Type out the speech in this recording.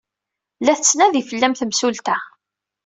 La tettnadi fell-am temsulta.